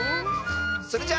それじゃあ。